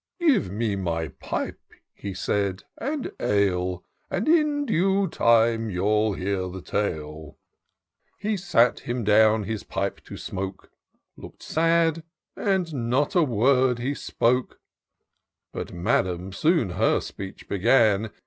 " Give me my pipe," he said, " and ale, And in due time youTl hear the tale." He sat him down his pipe to smoke, Look'd sad, and not a word he spoke ; But Madam soon her speech began.